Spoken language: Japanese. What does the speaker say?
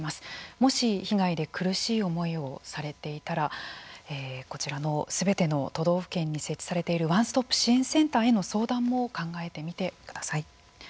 もし、被害で苦しい思いをされていたらこちらのすべての都道府県に設置されているワンストップ支援センターへの相談も考えてみてください。